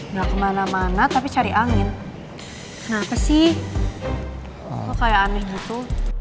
nggak kemana mana tapi cari angin kenapa sih kok kayak aneh gitu